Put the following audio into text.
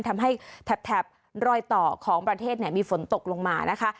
ทำให้แถบรอยต่อของประเทศมีฝนตกลงมานะคะ